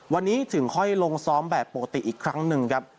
วันนี้ถึงค่อยลงซ้อมแบบปกติอีกครั้งหนึ่งครับ